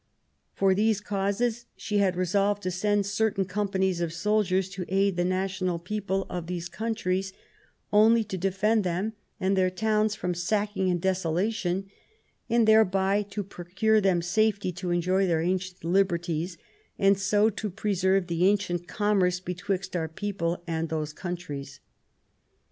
For these causes she had resolved "to send certain companies of soldiers to aid the national people of those countries, only to defend them and their towns from sacking and desolation, and thereby to procure them safety to enjoy their ancient liberties, and so to preserve the ancient commerce betwixt our people and those countries '*.